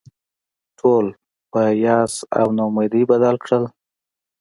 ټول په یاس او نا امیدي بدل کړل.